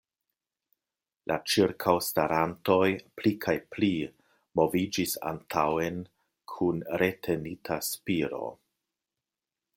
La ĉirkaŭstarantoj pli kaj pli moviĝis antaŭen kun retenita spiro.